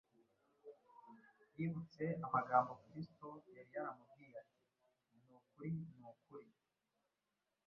yibutse amagambo Kristo yari yaramubwiye ati : «Ni ukuri, ni ukuri,